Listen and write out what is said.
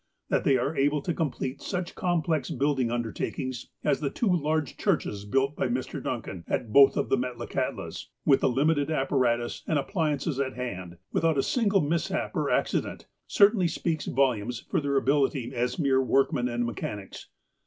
That they are able to complete such complex building undertakings as the two largo churches built by Mr. Duncan at both of the Metla kahllas, with the limited aj)paratus and appliances at hand, without a single mishap or accident, certainly speaks volumes for their ability as mere workmen and mechanics.